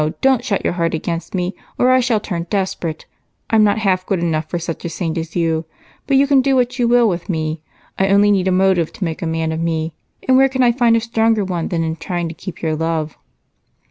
Don't shut your heart against me or I shall turn desperate. I'm not half good enough for such a saint as you, but you can do what you will with me. I only need a motive to make a man of me, and where can I find a stronger one than in trying to keep your love?"